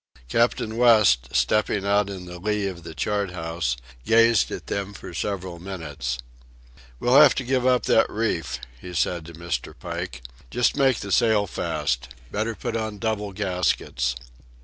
Captain West, stepping out in the lee of the chart house, gazed at them for several minutes. "We'll have to give up that reef," he said to Mr. Pike. "Just make the sail fast. Better put on double gaskets."